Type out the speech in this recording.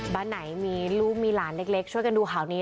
บ้านไหนมีลูกมีหลานเล็กช่วยกันดูข่าวนี้